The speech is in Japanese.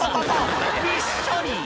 びっしょり。